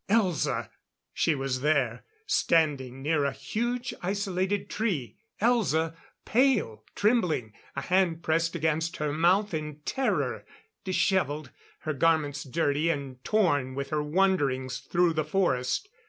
Elza! She was there, standing near a huge isolated tree; Elza, pale, trembling, a hand pressed against her mouth in terror; disheveled, her garments dirty and torn with her wanderings through the forest.